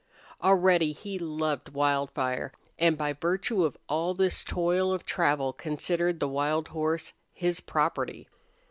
Already he loved Wildfire, and by virtue of all this toil of travel considered the wild horse his property.